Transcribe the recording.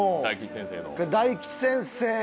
大吉先生の。